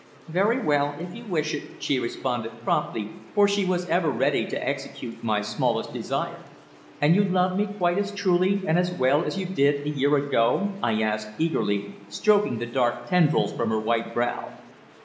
"Very well, if you wish it," she responded promptly, for she was ever ready to execute my smallest desire. "And you love me quite as truly and as well as you did a year ago?" I asked, eagerly, stroking the dark tendrils from her white brow.